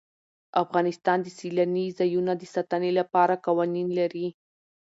افغانستان د سیلانی ځایونه د ساتنې لپاره قوانین لري.